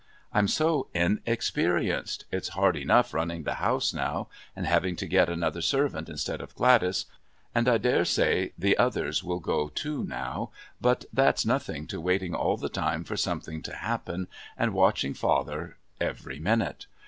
I'm so inexperienced. It's hard enough running the house now, and having to get another servant instead of Gladys and I daresay the others will go too now, but that's nothing to waiting all the time for something to happen and watching father every minute.